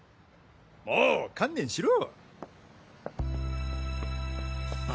もう観念しろ！